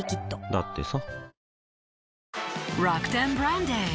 だってさ